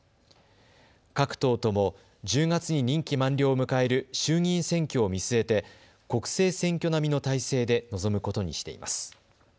各党とも１０月に任期満了を迎える衆議院選挙を見据えて国政選挙並みの態勢で臨むことにしています。